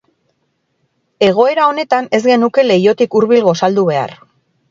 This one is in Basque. Egoera honetan, ez genuke lehiotik hurbil gosaldu behar.